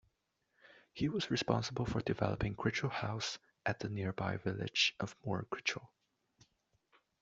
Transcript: He was responsible for developing Crichel House at the nearby village of Moor Crichel.